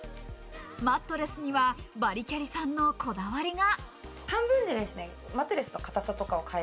マットレスにはバリキャリさんのこだわりが。